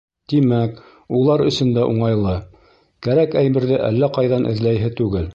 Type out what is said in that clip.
Тимәк, улар өсөн дә уңайлы: кәрәк әйберҙе әллә ҡайҙан эҙләйһе түгел.